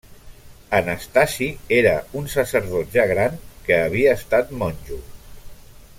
Anastasi era un sacerdot ja gran, que havia estat monjo.